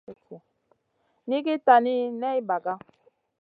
Nʼiigui tani ney ɓaga.